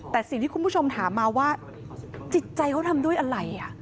แต่สิ่งที่คุณผู้ชมถามมาว่าจิตใจเขาทำด้วยอะไร